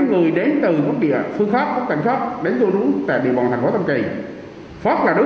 người đến từ các địa phương khắc các tỉnh khắp đến du lũ tại địa bàn thành phố tâm kỳ pháp là đối